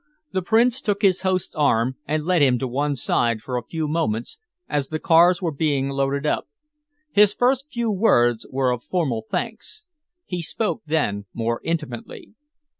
The Prince took his host's arm and led him to one side for a few moments, as the cars were being loaded up. His first few words were of formal thanks. He spoke then more intimately.